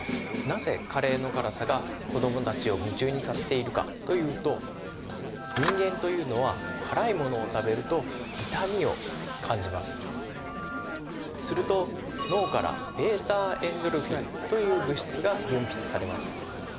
なぜカレーの辛さが子どもたちを夢中にさせているかというと人間というのは辛いものを食べると痛みを感じますすると脳からβ−エンドルフィンという物質が分泌されます